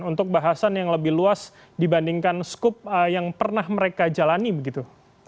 untuk bahasan yang lebih luas dibandingkan skup yang pernah mereka jalani begitu